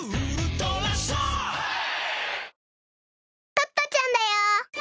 トットちゃんだよ。